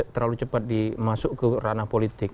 terlalu cepat dimasuk ke ranah politik